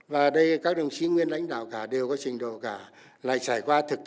và đây các đồng chí nguyên lãnh đạo cả đều có trình độ cả